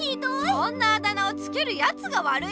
そんなあだ名をつけるやつがわるいよ！